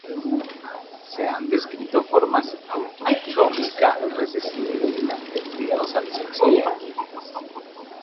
Se han descrito formas autosómica recesiva y dominante, ligados al sexo y adquiridas.